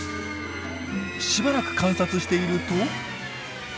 しばらく観察していると。